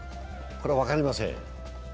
これは分かりません。